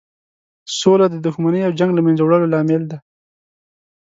سوله د دښمنۍ او جنګ له مینځه وړلو لامل دی.